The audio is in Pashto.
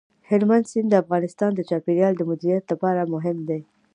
هلمند سیند د افغانستان د چاپیریال د مدیریت لپاره مهم دی.